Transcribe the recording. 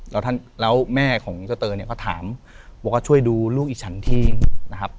แล้วแม่ของเจ้าเตอร์เนี่ยก็ถามบอกว่าช่วยดูลูกอีกฉันทีนะครับ